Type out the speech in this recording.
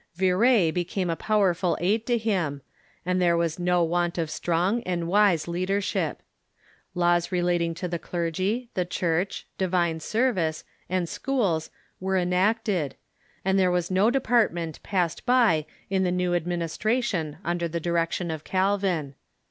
Viret became a powerful aid to him, and there was no want of strong and wise leadership. Laws relating to the clergy, the church, divine service, and schools were enacted, and there was no department passed by in the new administra tion under the direction of Calvin.